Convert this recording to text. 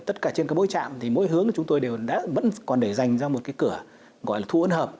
tất cả trên cái bối trạm thì mỗi hướng chúng tôi đều vẫn còn để dành ra một cái cửa gọi là thu ấn hợp